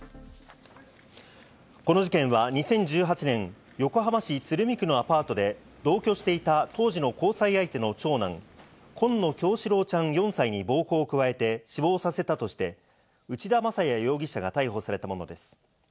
この事件は２０１８年、横浜市鶴見区のアパートで同居していた当時の交際相手の長男・紺野叶志郎ちゃん、４歳に暴行を加えて死亡させたとして、内田正也容疑者が逮捕されたものです。